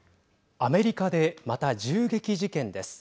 アメリカでまた銃撃事件です。